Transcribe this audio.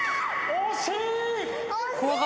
・惜しい！？